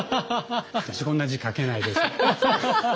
私こんな字書けないです。